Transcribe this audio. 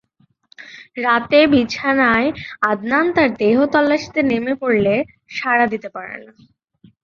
রাতে বিছানায় আদনান তার দেহ-তল্লাশিতে নেমে পড়লে, সাড়া দিতে পারে না।